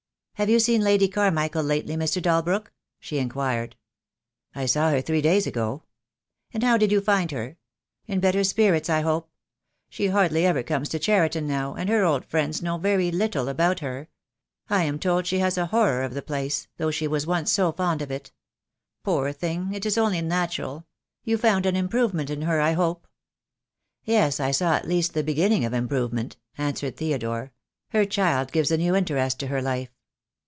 "Have you seen Lady Carmichael lately, Mr. Dal brook?" she inquired. "I saw her three days ago." "And how did you find her? In better spirits I hope? She hardly ever comes to Cheriton now, and her old friends know very little about her. I am told she has a horror of the place, though she was once so fond of it. Poor thing, it is only natural! You found an im provement in her I hope?" "Yes, I saw at least the beginning of improvement," answered Theodore. "Her child gives a new interest to her life."